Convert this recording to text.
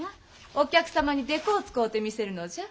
お客様に木偶を遣うて見せるのじゃ。